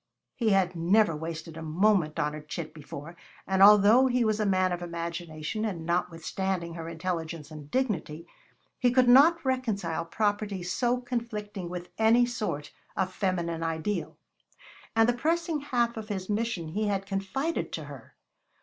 He had never wasted a moment on a chit before, and although he was a man of imagination, and notwithstanding her intelligence and dignity, he could not reconcile properties so conflicting with any sort of feminine ideal. And the pressing half of his mission he had confided to her!